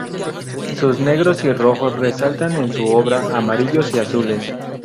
Sus negros y rojos resaltan en su obra, amarillos y azules.